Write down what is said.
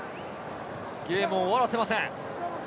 ゲームを終わらせません。